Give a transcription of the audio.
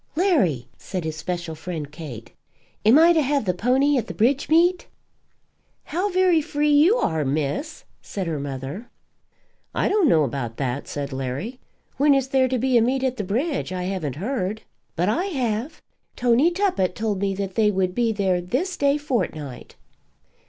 "Larry," said his special friend Kate, "am I to have the pony at the Bridge meet?" "How very free you are, Miss!" said her mother. "I don't know about that," said Larry. "When is there to be a meet at the Bridge? I haven't heard." "But I have. Tony Tuppett told me that they would be there this day fortnight."